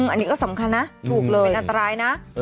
อันนี้ก็สำคัญนะถูกเลยอันตรายนะ